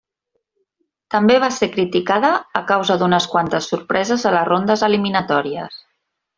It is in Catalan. També va ser criticada a causa d'unes quantes sorpreses a les rondes eliminatòries.